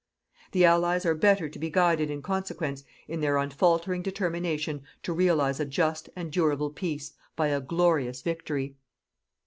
The Allies are better to be guided in consequence in their unfaltering determination to realize a JUST and DURABLE peace by a GLORIOUS VICTORY.